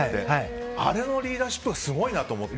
あれのリーダーシップはすごいなと思って。